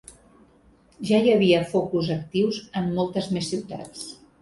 Ja hi havia focus actius en moltes més ciutats.